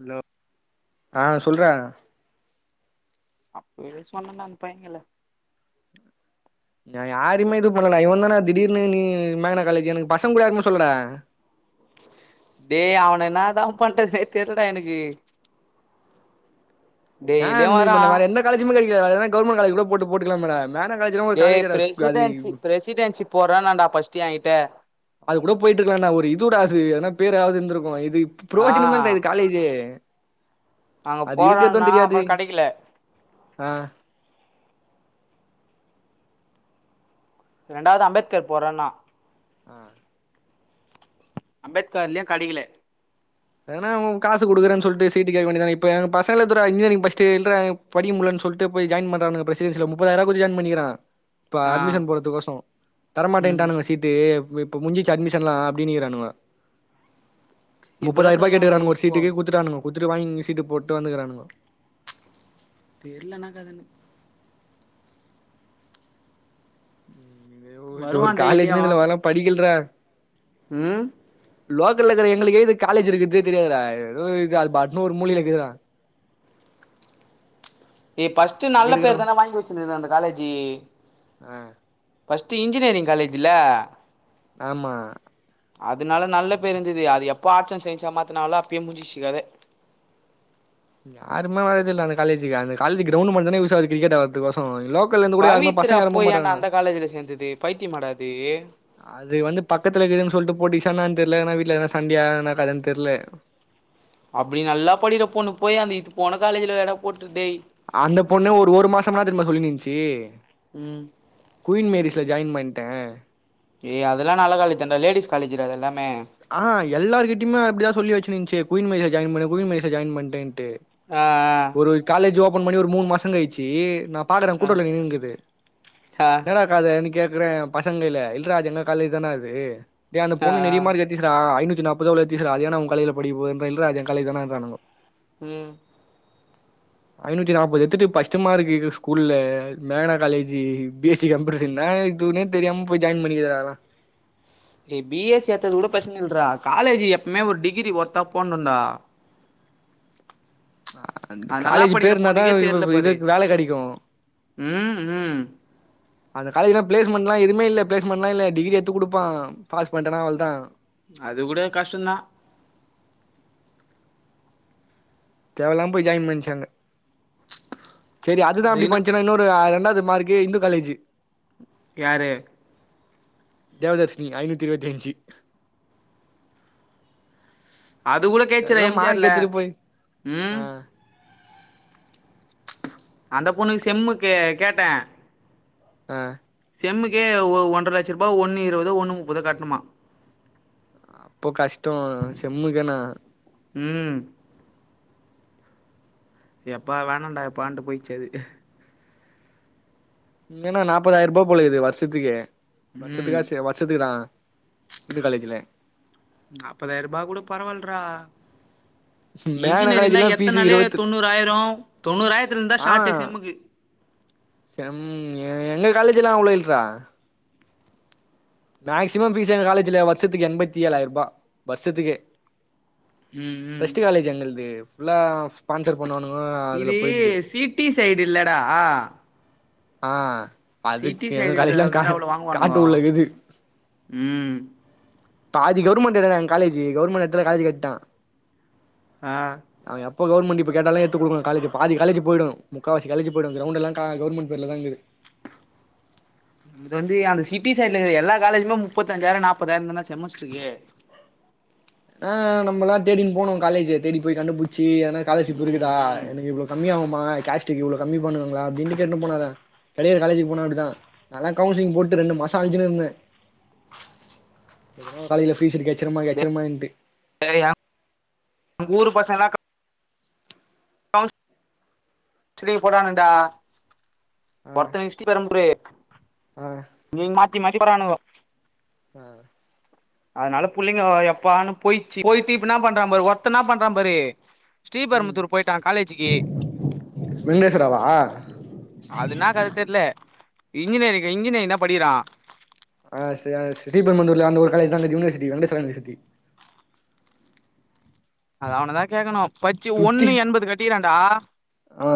hello ஆ சொல்றா அப்பவே சொன்னண்டா அந்த பைய கைல நா யாருமே இது பண்ல இவன் தான திடீர்னு நீ மேகனா காலேஜ்ஜு எனக்கு பசங் கூட யாருக்குமே சொல்லடா டேய் அவன என்னா தா பண்றதுனே தெர்லடா எனக்கு ஏ டெய்லியு அந்த மேரி வரா பண்ண வேற எந்த காலேஜுமே கெடைக்கலயாடா எதனா கவுர்மெண்ட் காலேஜ் கூட போட்டு போட்டுக்கலாமேடா மேக்னா காலேஜ்தா டேய் பிரெசிடென்சி பிரெசிடென்சி போடுறேனான்டா ஃபர்ஸ்ட்டு ஏன்கிட்ட அது கூட போயிட்ருக்கலா டா ஒரு இதுடா அது எதனா பேராவ்து இருந்திருக்கூ இது ஆ ப்ரோஜனமே இல்லடா இது காலேஜு அங்க அது போறோன்னா இருக்கறது தெரியாது அப்புறொ கெடைக்கல ஆ ரெண்டாவ்து அம்பேத்கர் போட்றேன்னா ஆ அம்பேத்கார்லயு கடக்கல எங்கனா காசுகுடுக்குறேன் சொல்ட்டு சீட்டு கேக்க வேண்டியதான இப்ப எங்க பசங்கள எத்துகோடா இன்ஜினியரிங் பஸ்ட்டுல்றா படிக்க முல்லன் சொல்ட்டு போய் ஜாயின் பண்றானுங்க ப்ரசிடென்ஸில முப்பதாயரோ குடுத்து ஜாயின் பண்ணிக்கிறா இப்ப ஆ அட்மிஷன் போறதுக்கோசொ ம் தரமாட்டேன்ட்டானுங்க சீட் ட்டு இப்ப முஞ்சிச்சு அட்மிஷன்லா அப்டின்னிக்கிறானுங்கோ எப்பட்றா முப்பதாயிரரூபா தருவாங்க டேய் கேட்டுக்கிரானுங்கோ ஒரு இப்போ சீட்டுக்கு குத்துட்டானுங்கோ குத்துட்டு வாங்கி சீட்டு போட்டு வந்துக்கிறானுங்கோ தெர்ல என்னா கதன்னு இது வருவா ஒரு டெய்லியு காலேஜ்னு இதுல வேலா படிக்கல்றா ம் லோக்கல்ல இருக்குற எங்களுக்கே இது காலேஜ் இருக்கதே தெரியாதுறா எதோ இது அது பாட்டுன்னு ஒரு மூழைல இக்குதுடா ஏ ஃபர்ஸ்ட்டு இங்க நல்ல பேர் இருக்கிறவ தானே வாங்கி வச்சிருந்தது அந்த காலேஜி அ ஃபஸ்ட்டு இன்ஜினியரிங் காலேஜ்ல்ல ஆமா அதனால நல்ல பேர் இருந்தது அது எப்போ ஆட்ஸ் அண்ட் சயின்ஸா மாத்துனாங்கலோ அப்பயே முடிஞ்சிச்சி கத யாருமே வறதுல்ல அந்த காலேஜுக்கு அந்த காலேஜ்க்கு கிரௌண்ட் மாறி தானே யூஸ் ஆகுது கிரிக்கெட் ஆ கோசரோ லோக்கல்ல இருந்து கூட யாருமே பவித்ரா பசங்க விரும்ப போய் ஏன்டா மாட்டாங்க அந்த காலேஜ்ல சேந்தது பைத்திய மாடா அது அது வந்து பக்கத்துல இருக்குதுன்னு சொல்லிட்டு போட்டி சென்னான தெர்ல ஏன்னா வீட்ல என்ன சண்டயானா அதுன்னு தெர்ல அப்டி நல்லா படிக்கிற பொண்ணு போயி அந்த இத்து போன காலேஜ்லயாட போட்டுஇருக்குது டே அந்த பொண்ணு ஒரு ஒரு மாசம்னா திரும்ப சொல்லினு இருந்துச்சு ம் குயின் மேரிஸில ஜாயின் பண்ணிட்டே ஏ அத எல்லா நல்ல காலேஜ் தண்டா லேடிஸ் காலேஜ் ஜுடா அது எல்லாமே ஆ எல்லாரு கிட்டயுமே அப்டி தா சொல்லி வச்சுச்சுனு இருந்துச்சு குயின் மேரிஸ்ல ஜாயின் பண்ணே குயின் மேரிஸ்ல ஜாயின் பண்ணிட்டேன்ட்டு ஆ ஆ ப்ரோ காலேஜ் ஓபன் பண்ணி ஒரு மூணு மாசம் கழிச்சு நா பாக்குறே ஆ கூட்டதுலா நின்னு னு இருக்குது ஆ என்னா டா எதுக்காக நிக்குதுனு கேக்குறே பசங்கல இல்லரா அது எங்க காலேஜ் தானா அது டே அந்த ஆ ஆ பொண்ணு நெறியா மார்க்கு எடு த்துச்சுடா ஐநூத்தி நாப்பாது அவ்ளே எடுத்துச்சுடா அது என்டா உங்க காலேஜுலா படிக்கப்போது இல்ல றா அது எங்க காலேஜு தானுறானுங்கே ம் ஐநூத்தி நாற்பது எடுத்துட்டு ஃபஸ்ட் மார்க்கு எங்க ஸ்கூல்ல மேகனா college B S C computer science நா எது க்குதுனே தெரியாம போயி ஜாயின் பண்ணிருக்குது அதால ஏ பி எஸ் சி ஏத்தது கூட பிரச்சனா இல்லடா காலேஜ் எப்பவுமே ஒரு டிகிரி ஒருத்தா போணுண்டா ஆ அந்த அது நல்லா காலேஜ் பேரு படிக்கிற இருந்தா தா பொண்ணுக்கே இ தெர்ல இ பாரு இதுக்கு வேல கெடைக்கு ம் ம் அந்த காலேஜ்ல பிளேஸ்மெண்ட்லா எதுமே இல்ல பிளேஸ்மெண்ட்லா இல்ல டிகிரி எத்து குடுப்பா பாஸ் பட்டனா அவ்ளே தா அது கூட கஷ்ட தா தேவையில்லாமா போயி ஜாயின் பண்ணிச்சுங்க அங்க சேரி அது தா அப்டி பண்ணச்சுன்னா இன்னொன் அது ரெண்டாவது மார்க்கு இந்து காலேஜு யாரு தேவதர்சினி ஐநூத்தி இருபத்தி அஞ்சு அது கூட கேச்சுறா எல்லா எம் ஜி ஆர் மார்க் ல எடுத்துட்டு போய் ம் ஆ அந்த பொண்ணுக்கு செம்முகு கேட்டே ஆஹ் செம்முக்கே ஒ ஒன்றார லட்ச ரூபா ஒன்னு இருபது ஒன்னு முப்பது கட்ணுமா அப்போ கஷ்டே செம்முக்குனா ம் யாப்பா வேணண்டா யாப்பாண்டு போயிச்சு அது இங்கன்னா நாப்பதாயிர ரூபா போல இருக்குது வருஷத்துக்கு ம் வருஷத்துக்கா சே வருஷத்துக்கு தா இந்து காலேஜ்ல நாற்பதாயிர ரூபா கூட பரவல்றா மேக்னா இன்ஜினியரிங்லா காலேஜ்லா ஃபீஸ் எத்தனால இருவத்து தொண்ணூறு ஆயிரம் தொண்ணூறாயிரத்தல இருந்தா ஆ ஷார்ட்டே செம்முக்கு செம் எங்க காலேஜ் எல்லா அவ்ளோ இல்றா மேக்சிமம் பீஸ்சு எங்க காலேஜ்ல வருஷத்துக்கு எண்பத்தி ஏழாயிரம் ரூபா வருஷத்துக்கே ம் ம் பேஸ்ட்டு காலேஜ் எங்குளுது புல்லா ஸ்பான்சர் பண்ணுவானுங்கோ அதுல போயிடுது டி சைடு இல்லடா ஆ சிட்டி அதுக்கு எங்க காலேஜி எல்லா சைடுன்றதால கா தான்டா அவ்ளோ காட்டு வாங்குவானுங்கோ குள்ள இக்குது ம் பாதி கவர்மெண்ட் இடன்னா எங்க காலேஜு கவர்மெண்ட் இடத்துல காலேஜ் கட்டா ஆ அவெ எப்ப கவர்மெண்ட இப்ப கேட்டாலூ எத்துகுடுக்கனூ காலேஜ்க்கு பாதி காலேஜ் போய்டூ முக்காவாசி காலேஜ் போய்டூ கிரவுண்ட் எல்லா கா கவர்மெண்ட் பேர்ல தா கீது இது வந்து அந்த சிட்டிசன்னு எல்லா காலேஜுமே முப்பத்தஞ்சாயிரோ நாப்பதாயிரம்ந்தா செமஸ்ட்ருக்கு ஆ நம்ம ‌எலாம் தேடிக்கினூ போனோ காலேஜ் தேடி போய் கண்டுபிடிச்சு ஏதனா காலர்ஷிப் ம் இருக்குதா ம் எனக்கு இவ்ள கம்மி யாகுமா கேஸ்ட்க்கு இவ்ளோ கம்மி பண்ணுவாங்களா அப்டின்னு கேட்னு போனாங்க தனியார் காலேஜ் போனா அப்படி தா நால்லா கவுன்சிலிங் போட்டு ரெண்டு மாசொ அலஞ்சிக்குன்னு இருந்தெ எதுனா ஒரு காலேஜ்ல ஃப்ரீ சீட் கொச்சிரூமா கொச்சிரூமான்ட்டு சரிடா உங்கூர் பசங்களா கவுன்ஸ் ஸ்த்ரீ போட்டானுங்டா ஆ ஒர்த்தெ [unintelligible] ஆ நீங் மாத்தி மாத்தி போர்ரானுங்கோ ஆ அதனால புள்ளீங்கே எப்பான்னூ போயிட்ச்சு போயிட்டு இப்ப ‌என்னா பண்றா பாரு ஒருத்தெ என்னா பண்றா பாரு ம் ஸ்ரீபெரும்புத்தூர் போயிட்டா காலேஜக்கு வெங்கடேஸ்வராவா அது ன்னா காலேஜ்ன்னு தெர்ல இன்ஜினியரிங இன்ஜினியரிங் தா படிக்கிறா ஆ செ ஸ்ரீபெம்மந்தூர்ல அந்த ஒரு காலேஜ் தா கீது யுனிவர்சிட்டி வெங்டேஸ்வரா யுனிவர்சிட்டி அது அவனதா கேக்கணூ பட்ச்சு சுத்தி ஒண்ணூ எண்பது கட்டிகிறானாடா ஆ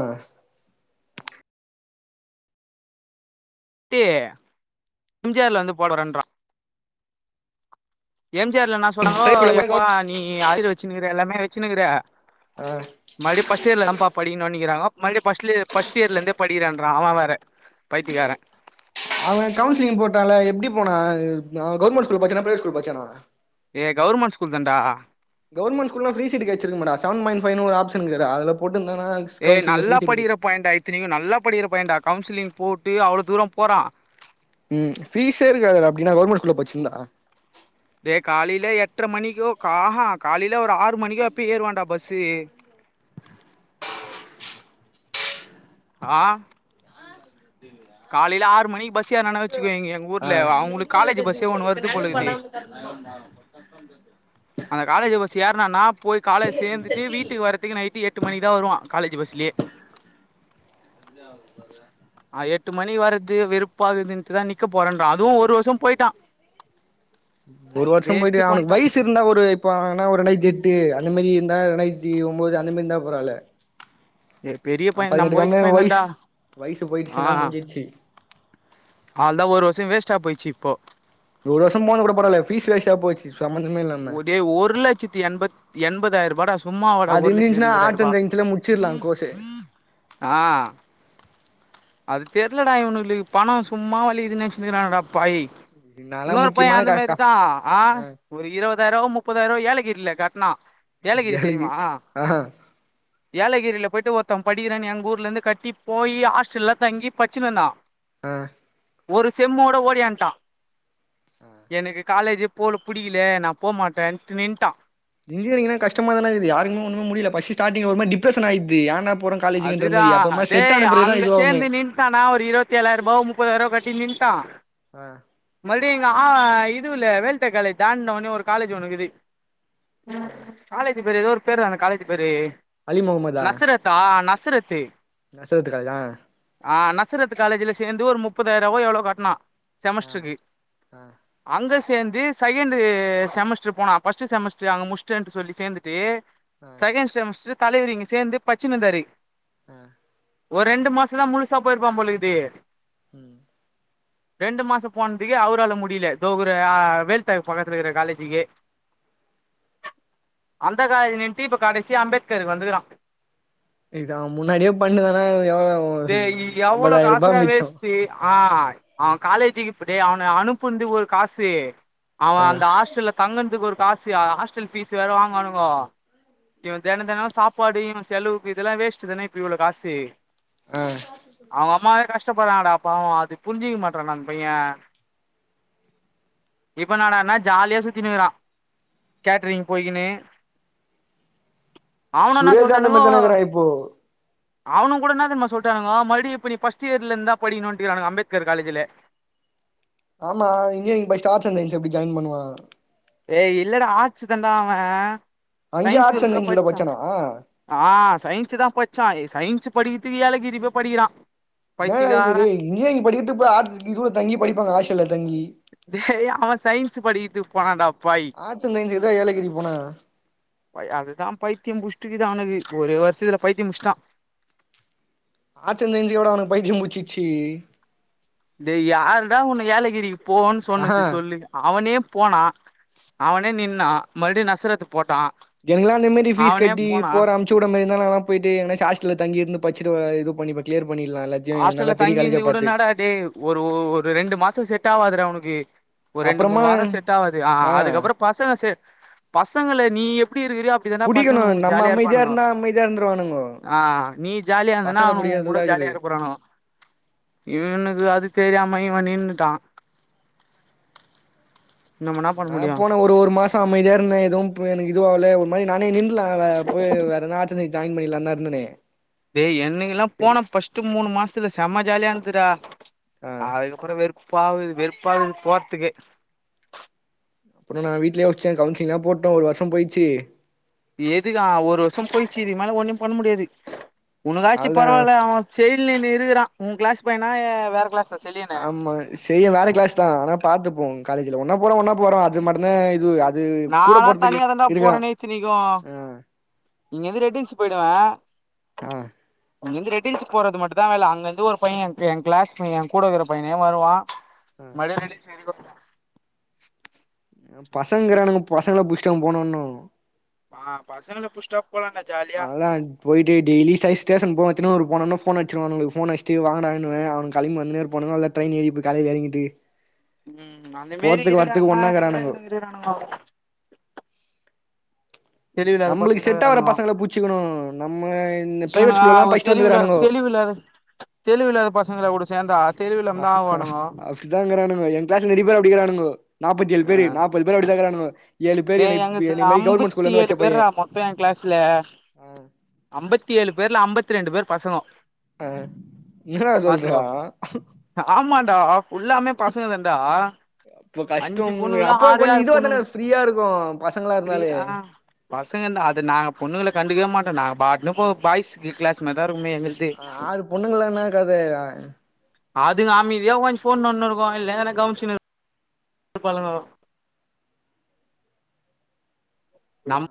ஸ்ரீ தும் ஜீ ஆர்ல வந்து போடறேன்றா எம் ஜி ஆர்லா என்னா சொன்னாங்கோ எப்பா நீ ஆரியரூ வச்சுன்கீற எல்லாமே வச்சுன்னு கீற ஆ மறுபடியூ ஃப்ஸ்ட் இயர்ல இருந்தா படிக்கனூ இன்னிகிறாங்க மறுபடியூ ஃபர்ஸட் இயர்ல இருந்து படிக்கிறோன்றா ஆவெ வேற பைத்திகாரன் அவங்க கவுன்சிலிங் போட்டால எப்படி போனா அது கவர்மெண்ட் ஸ்கூல்ல படிச்சானா பிரவேட் ஸ்கூல் பட்ச்சான ஏ கவர்மெண்ட் ஸ்கூல் தாண்டா கவர்மெண்ட் ஸகூல்னா ஃப்ரீ சீட் கிடைச்சிருக்குமேடா செவன் பாயின்ட் ஃபைவ் ஒரு ஆப்ஷன் கீதுறா அதுல போட்றுந்தானா ஏய் நல்லா படிக்கிற பைய்ண்டா இத்தினூக்கூ நல்லா படிக்கிற பையிண்டா கவுன்சிலிங் போட்டு அவ்ளோ தூரம் போறா ம் ஃபீஸே இருக்காதுடா அப்படின்னா கவர்மண்ட் ஸ்கூல்ல படிச்சிருந்தா டே காலிய்லே எட்ர மணிக்கோ கா ஹாங் காலையில ஒரு ஆறு மணிக்கோ எப்போய ஏறுவாண்டா பஸ்ஸு ஆ சொத்தில்லியா காலையில ஆறு மணி பஸ் ஏர்னானூ வச்சுக்குவயே எங்க ஆ ஊர்ல அவூங்ளுக்கு காலேஜ் பஸ்ஸே ஒண்ணு வர்து போலகிது ஹஸ்பண்ட் ரெண்டு அந்த காலேஜ் பஸ் ஏற்னனா போய் காலேஜ் சேர்ந்துட்டு வீட்டுக்கு வரத் இத்தனிக்கூ நைட்டு எட்டு மணிக்கு தா வருவா காலேஜ் பஸ்லியே அ எட்டு மணி வறத்துக்கே வெறுப்பா கீதூன்ட்டுதா நிக்க போறன்றா அதுவூ ஒரு வருஷோ போயிட்டான் ஒரு வருஷோ போயட்டு ஆவனுக் பண்ட்டா வய்ஸ் த்து இருந்தா ஒரு இப்ப ஆனா ஒரு இரண்டாயிரத்தி எட்டு அந்த மாதிரி இருந்தா இரண்டாயிரத்தி ஒன்பது அந்த மாரி இருந்தா பரவால்ல பெரிய ஆ பைய நம்ம பதினெட்டுக் வயசு கம்மியா பைய வய்ஸ் தான்டா வயசு போயிட்ச்சுன்னா முன்ஞ்சிட்ச்சு அவள் தா ஒரு வருஷொ வேஸ்ட் போயிச்சு இப்போ ஒரு வருஷோ போனது கூட பரவால்ல ஃபீஸ் வேஸ்டா போச்சு சம்மந்தமே இல்லாம ஒ டே ஒரு லட்சத்தி எண்பத் எண்பதாயிர ரூபாட அது இருந்துச்சுன்னா ஆர்ட்ஸ் அண்ட் சயின்ஸ்ல முட்ச்சிற்கலா கோர்ஸ் ஆ அது தெரலடா இவனுங்களுக்கு பணம் சும்மா வழிதுன்னு நினச்சுக்கிறானடா பாய் நாலா இன்னொரு பையன் அந்த முக்கியமான க மாதிரிதான் ஆ ஒரு இருபதாயிரம் முப்பதாயிரம் ஏலகிரில கட்னான் ஏலகிரி வேலைக்கு தெரியுமா ஆ ஏலகிரில போய்ட்டு ஒருத்தன் படிக்கிறேன் எங்க ஊர்ல இருந்து கட்டி போய் ஹாஸ்டல்ல தங்கி படிச்சினுருந்தான் ஆ ஒரு செம்மோட ஓடியான்ட்டான் எனக்கு காலேஜே போல பிடிக்கல நான் போக மாட்டேன்ட்டு நின்னுட்டான் இன்ஜினியரிங் தான் கஷ்டமா இருக்குது யாருமே ஒன்னும் முடியல ஃபர்ஸ்ட்டு ஸ்டார்டிங்ல ஒரு டிப்ரஷன் ஆய்டுது ஏன்டா போனோம்னு இருக்கு அதுதான் டே அங்க இதுவாவுமே சேர்ந்து நீ என்னன்னா ஒரு இருவத்து ஏழாயிரம் ரூபாய் முப்பதாயிரவ கட்டி நின்னுட்டான் ஆ மறுபடியும்ங்க ஆ இது இல்ல வேல்ட்ட காலேஜ் தாண்டுனவொனே ஒரு காலேஜ் ஒன்னு இருக்குது ஆ காலேஜ் பேரு ஏதோ ஒரு பேரு தாங்க காலேஜ் பேரு அலி நசரத் த நசரத்து நசரத்துக் காலேஜா ஆ நசரத்து காலேஜ்ல சேர்ந்து ஒரு முப்பதாயிரம் ரூபாயா எவ்வளோ கட்னான் ஆ செமஸ்டருக்கு ஆ அங்க சேர்ந்து செகண்ட்டு செமஸ்டர் போனா பர்ஸ்ட்ட் செமஸ்டர் அங்க முடிச்சிட்டேன் சொல்லி சேர்ந்துட்டு ஆ செகண்ட் செமஸ்டர் தலைவர் இங்க சேர்ந்து படிசின்னு இருந்தாரு ஆ ஒரு ரெண்டு மாசம் தான் முழுசா போய் இருப்பான் போல இருக்குது ம் ரெண்டு மாசம் போனதுக்கே அவரால முடியல தோ ஒரு வேல்டா பக்கத்துல இருக்கிற காலேஜக்கு அந்த காலேஜ்ல நின்ட்டு இப்ப கடைசியா அம்பேத்காருக்கு வந்துருக்கறான் இத அவன் முன்னாடியே பண்ணிருந்தானா எவ்ளோ டே எவ்வளோ ஐம்பதாயிர ரூபா காசுடா மிச்சோ வேஸ்ட்டு ஆ அவன் காலேஜிக்குப்ப அவனை அனுப்புந்து ஒரு காசு ஆ அவன் அந்த ஹாஸ்டல்ல தங்கறதுக்கு ஒரு காசு ஹாஸ்டல் ஃபீஸ் வேற வாங்குனானுங்க இவன் தினம் தினம் சாப்பாடு இவன் செலவு இதெல்லாம் வேஸ்ட் தானே இப்ப இவ்வளவு காசு ஆ அவங்க அம்ம கஷ்ட கஷ்டப்படுறாங்கடா பாவம் அது புரிஞ்சுக்க மாட்டேன்றான் டா அந்த பையன் இப்ப என்ன டானா ஜாலியா சுத்தின்னு இருக்குறான் கேட்ரிங் போய்கின்னு என்ன சுரேஷும் அந்த மாதிரி தான் இருக்குறான் இப்போ அவனுங்க கூட என்ன தெரியுமா சொல்றனுங்க ம் மறுபடியும் இப்ப நீ பர்ஸ்ட் இயர்ல இருந்துதான் படிக்கணும்னானுங்க அம்பேத்கர் காலேஜ்ல ஆமா இன்ஜினியரிங் படிச்சிட்டு ஆர்ட்ஸ் அண்ட் சைன்ஸ்ல எப்படி ஜாயின் பண்ணுவான் ஏய் இல்லடா ஆர்ட்ஸ் தண்டா அவன் அங்கயே சயின்ஸ் ஆர்ட்ஸ் குருப்பு அண்ட் தான் சயின்ஸ்ல படிச்சான் படிச்சானா ஆ சயின்ஸ் தான் படிச்சான் சயின்ஸ் படிக்கிறதுக்கு ஏலகிரிப் போய் படிக்கிறான் ஏலகிரி இன்ஜினியரிங் படிக்கிறது போய் ஹாஸ்டல் தங்கி படிப்பாங்களாம் ஹாஸ்டல்ல தங்கி டே அவன் சயின்ஸ் படிக்கிறதுக்கு போனான் டா ஆர்ட்ஸ் அண்ட் சயின்ஸ் தான் ஏலகிரி போனான் ப அதுதான் பைத்தியம் புடிச்சிருக்கு அவனுக்கு ஒரு வருஷத்துல பைத்தியம் பிடிச்சுட்டான் ஆர்ட்ஸ் அண்ட் சயின்ஸ்கா அவனுக்கு பைத்தியம் புடுச்சுஇருக்கு டேய் யாருடா உன்ன ஏலகிரிக்கு போன்னு ஆஹா சொன்னது சொல்லு அவனே போனா அவனே நின்னா மறுபடி நஸ்ரத் போட்டா எங்ல்லா அந்த மேரி ஃபீஸ் அவனே கட்டி போனா போறம் சூடமா இருந்தல்லா போயிட்டு எங்கனாச்சு ஹாஸ்டல்ல தங்கி இருந்து பட்ச்சுட்டு இது பண்ணி கிளியர் பண்ணிட்லால்ல ஹாஸ்டல்ல தங்கியிருந்து கூட என்னாடாடே ஒரு ஒரு ரெண்டு மாசோ செட் ஆவாதுடா உனுக்கு ஒரு ரெண்டு மூணு அப்புறமா வாரோ செட் ஆவாது ஆ அதுக்கப்பறோ பசங்க செ பசங்கள நீ எப்டி இருக்கிறியோ அப் நீங்கனா புடிக்கணு பசங்க நம்ம ஜாலியா அமைதியா இருப்பானுங்கோ இருந்தா அமைதியா இருந்துருவானுங்கோ ஆ நீ ஜாலியா இருந்தன்னா பசங்கள அவனுங்க உங்கூட புடிக்கிறதுலதா ஜாலியா இருக்குது இருப் குரானோ இவனுக்கு அது தெரியாம இவ நின்னுட்டா நம்ம என்ன பண்ண நா முடியு போன ஒரு ஒரு மாச நா அமைதியா இருந்தே எதும் ப்ப இதுவாவல ஒரு மாரி நானே நின்ந்தலா போய் வேறெதா ஆச்சு ஜாயின் பண்ணலாந்தா இருந்தனே ஏய் என்னைக்கெல்லா சரி போன ஃபர்ஸ்ட்டு மூணு மாசத்துல செம்ம ஜாலியா இருந்துடா ஆ அதுகப் தொற வெறுப்பாவுது வெறுப்பாவுது போற்துக்கே அப்றோ நா வீட்லே வச்ட்ட கவுன்சிலிங்லா போட்டோ ஒரு வருஷோ போயிச்சு எதுக்கு ஆ ஒரு வருஷம் போயிச்சு இதுக்கு மேலே ஒன்னு பண்ண முடியாது உனகாச்சு அவ்ளதா பரவால்ல அவ செய்லன் இருக்கறா உ கிளாஸ் பையனா வேற கிளாஸா செல்லியனு ஆமா செய்ய வேற கிளாஸ் தா ஆனா பாத்துப்போ காலேஜ்ல ஒன்னா போறோ ஒன்னா போறோ அது மட்டுதா இது அது கூட நான்லா போறதுக்கு தனியா தண்டா இருக்குறா போறனே இத்தினிக்கு ஆ இங்கந்து ரெட்டின்ச்சு போய்டுவ ஆ இங்கருந்து ரெட்டில்ஸ் போறது மட்டு தா ‌வேல அங்கந்து ஒரு பைய எ எங்கிளாஸ் பையன எ கூட இருக்கற பையனே வருவா ஆ மழைல் [unintelligible] ஆ பசங்கிறானங்க பசங்கள புடிச்சட்ட போனோனோ ஆ பசங்கல புஸ்டா போலன்டா அஹ்லான் போயிட்டு டெய்லி சய்ஸ் ஸ்டேஷன் போவ சின்னமனூர் போனன்னா ஃபோன் அட்ச்சிடுவ அவனுக்கு ஃபோன் அட்ச்ட்டு வாங்கடான்னுவ அவனுங்க களம்பி வந்துனே இருப்பானுங்க அ ட்ரெயின் ஏறி போய் காலேஜ் எறங்கிட்டு ம் அந்த மேரி போறதுக்கு வரத்துக்கு இருடாண்ணா எங்க ஒன்னாக்குறானுங்கோ இவனுங்க இருக்குறானுங்கோ தெளிவில்லாத நம்பளுக்கு பசங்களா செட்டாவர பசங்கள புச்சுக்கணு நம்ம இந்த இவனா பிரைவேட் ஸ்கூல்லலா படிச்சிட்டு தெருவுல வந்துக்குறானுங்கோ தெளிவுல தெளிவில்லாத பசங்கள கூட சேந்தா தெளிவில்லாமா தா ஆவாணுங்கோ இப்டிதாங்கிறானுங்கோ எ கிளாஸ் நெறைய பேர் அப்டிக்கிறானுங்கோ நாப்பத்தி ஏழு பேர் ஆ நாப்பது பேர் அப்டி தாஇருக்றாணுங்கோ ஏழு பேர் என்னை என்னய மாரி கவர்மெண்ட் ஸ்கூலேந்து வச்சப்பைய இப்ப தா கிளாஸ்ல அம்பத்தி ஏழு பேர்ல அம்பத்தி ரெண்டு பேர் பசங்கோ ஆ என்னடா பாத்துக்கோ சொல்றா ஆமான்டா ஃபுல்லாமே பசங்க தான்டா அப்ப அஞ்சு கஷ்டம் பொண்ணுலே அப்ப ஆறே கொஞ்ச ஆறு இதுவா பொண்ணு தான ஃப்ரீயா இருக்கு பசங்களா பிரி இருந்தாலே ஆ பசங்க தா அது நாங்க பொண்ணுங்கள கண்டுக்கவே மாட்டோம் நாங்க பாட்னு ஆ போவோ நாங்க பாட்னு பாய்ஸ் கிளாஸ்மேர் தா இருக்குமே எங்களுக் ஆ ஆறு பொண்ணுங்கலா என்னா கத அதுங்க அமைதியா உக்காந்து ஃபோன் நோன்னிருக்கு இல்லைனா என கவ்னிசிரு [inaudible] ப்பாளுங்கோ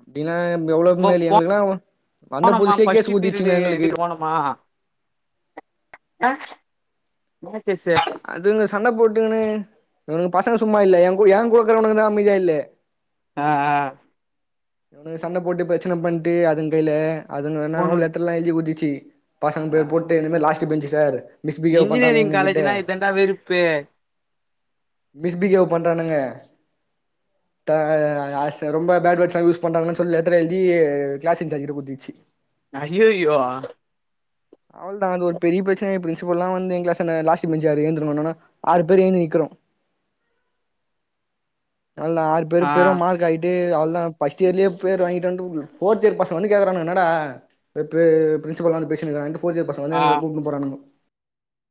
அப்டின்னா எவ்ளோ மேல் எங்களுக்குலா வந்த போனமா [inaudible] புதுசுலே ஃபஸ்ட் கேஸ் பீரியடு குடுத்துச்சுங்க எங்களுக்கு [inaudible] ஆ [inaudible] பேசு அதுங்க சண்ட போட்டுகுனு உனக்கு பசங்க சும்மா இல்ல எ எங் கொடுக்குறவனுங்கதா அமைதியா இல்லே ஆ ஆ இவனுக சண்ட போட்டு பிரச்சன பண்ட்டு அதுங் கைல அதுங்க என்னானவோ பொண்ணு லெட்டர்ல்ல எழுதி குத்திச்சு பசங்க ஆ பேர் போட்டு என்னிமே லாஸ்ட் பெஞ்சு சார் மிஸ்பிஹேவ் பண்றாங்க இன்ஜினியரிங் எங்க கிட்ட காலேஜ்னா இதாண்டா வெறுப்பு மிஸ்பிகேவ் பண்றானுங்க த ஆ ச ரொம்ப பேட் வேவ்ர்ட்ஸா யூஸ் பண்றாங்கன்னு சொல்லி லெட்டர் எழுதி கிளாஸ் டீச்சர் கிட்ட குட்திர்ச்சு ஐஐயோ அவள்தா அது ஒரு பெரிய பிரச்சன ஆயி பிரின்சிபல்லா வந்து என் கிளாஸ் ன லாஸ்டு பெஞ்சு யாரு எழுந்துருங்கோன்னான்னா ஆறு பேர் எழ்ந்து நிக்கறோ அதுல் ஆறு பேரு ஆ பேரு மார்க் ஆயி டேய் அவள்தா பஸ்ட் இயர்லயே பேர் வாங்கிட்டு வன்ட்டு போர்ஜெர்ரி பசங்க வந்து கேக்குறானுங்க என்னடா எ பே பிரின்சிபல் வன் பேசினுக்கறாங்க இங்க போர்ஜெர்ரி பசங்க வந்து ஆ எங்கள கூப்ட்டுன்னு போறானுங்கோ